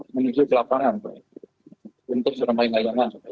menuju ke lapangan untuk menemani layanan